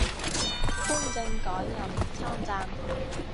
潘靖改任参赞。